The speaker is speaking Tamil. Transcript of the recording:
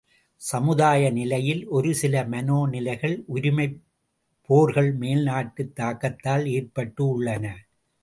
சமுதாய நிலையில் ஒரு சில மனோநிலைகள் உரிமைப் போர்கள் மேல் நாட்டுத் தாக்கத்தால் ஏற்பட்டு உள்ளன.